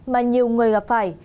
mà nhiều người gặp phải